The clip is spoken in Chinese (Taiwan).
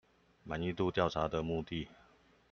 滿意度調查的目的